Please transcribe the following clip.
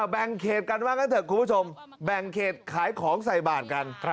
แบงเกจกันมากันเถอะคุณผู้ชมแบงเกจขายของใส่บาทกัน